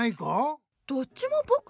どっちもぼく？